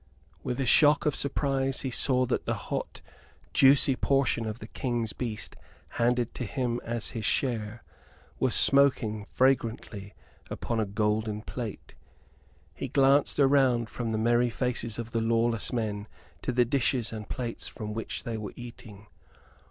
With a shock of surprise he saw that the hot, juicy portion of the King's beast handed to him as his share was smoking fragrantly upon a golden plate. He glanced around from the merry faces of the lawless men to the dishes and plates from which they were eating.